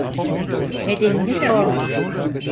Nedenini sorma.